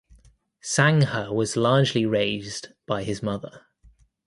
Sangha was largely raised by his mother.